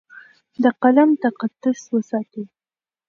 د قلم تقدس وساتئ.